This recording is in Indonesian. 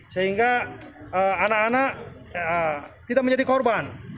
sehingga anak anak tidak menjadi korban